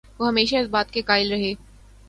وہ ہمیشہ اس بات کے قائل رہے